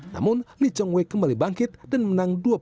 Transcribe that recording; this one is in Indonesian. namun le chong wei kembali bangkit dan menang dua puluh satu delapan belas